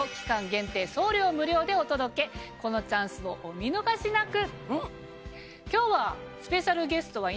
このチャンスをお見逃しなく。